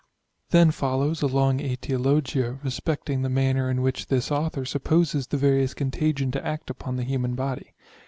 Then follows a long aetiologia respecting the manner in which this author supposes the variolous contagion to act upon the human body.